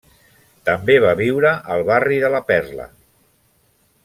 També va viure al barri de La Perla.